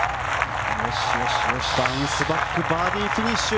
バウンスバックバーディーフィニッシュ。